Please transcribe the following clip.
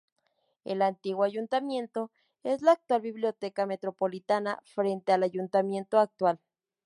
El antiguo ayuntamiento es la actual Biblioteca Metropolitana, frente al ayuntamiento actual.